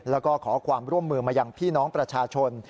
แล้วก็ขอความร่วมมือมายังพี่น้องประชาชน